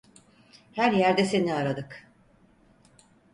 Her yerde seni aradık.